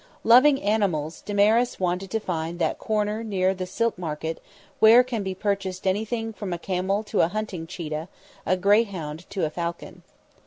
Loving animals, Damaris wanted to find that corner near the silk market where can be purchased anything from a camel to a hunting cheetah, a greyhound to a falcon.